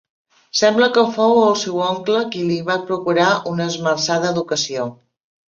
Sembla que fou el seu oncle qui li va procurar una esmerçada educació.